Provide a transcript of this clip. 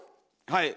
はい。